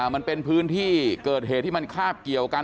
มันเป็นพื้นที่เกิดเหตุที่มันคาบเกี่ยวกัน